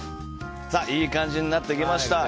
いい感じになってきました。